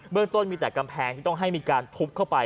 เมืองต้นมีแต่กำแพงที่ต้องให้มีการทุบเข้าไป